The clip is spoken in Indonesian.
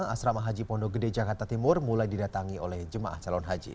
asrama haji pondok gede jakarta timur mulai didatangi oleh jemaah calon haji